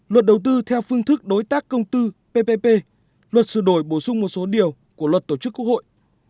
luật đầu tư theo phương thức đối tác công tư ppp luật sửa đổi bổ sung một số điều của luật tổ chức quốc hội